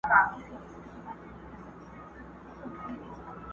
زه د خزان منځ کي لا سمسور یمه.